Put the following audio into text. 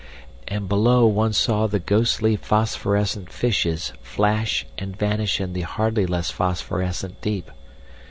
And below one saw the ghostly phosphorescent fishes flash and vanish in the hardly less phosphorescent deep.